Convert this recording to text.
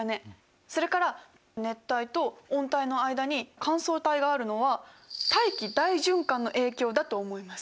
それから熱帯と温帯の間に乾燥帯があるのは大気大循環の影響だと思います。